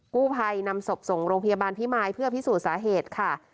กู้ภัยนำศพส่งโรงพยาบาลพิมายเพื่อพิสูจน์สาเหตุค่ะ